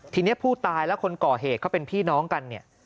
ทีนี้ผู้ตายและคนก่อเหตุเขาเป็นพี่น้องกันเนี่ย